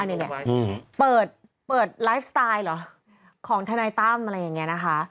เนี่ยเปิดไลฟ์สไตล์เหรอของทนายตั้มอะไรอย่างนี้นะคะ